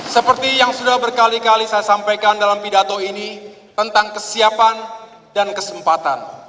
seperti yang sudah berkali kali saya sampaikan dalam pidato ini tentang kesiapan dan kesempatan